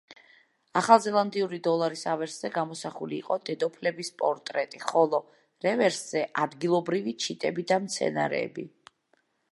ახალზელანდიური დოლარის ავერსზე გამოსახული იყო დედოფლების პორტრეტი, ხოლო რევერსზე ადგილობრივი ჩიტები და მცენარეები.